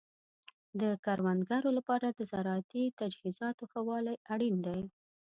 د کروندګرو لپاره د زراعتي تجهیزاتو ښه والی اړین دی.